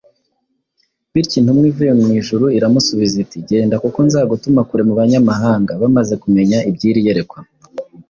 bityo intumwa ivuye mu ijuru iramusubiza iti, “Genda, kuko nzagutuma kure mu banyamahanga.”Bamaze kumenya iby’iri yerekwa,